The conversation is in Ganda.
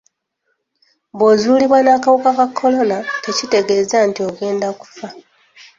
Bw'ozuulibwa n'akawuka ka kolona tekitegeeza nti ogenda kufa.